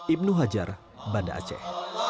ibnu hajar banda aceh